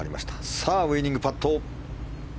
さあ、ウィニングパット。